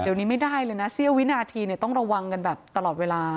เดี๋ยวนี้ไม่ได้เลยนะเสี้ยววินาทีต้องระวังกันแบบตลอดเวลา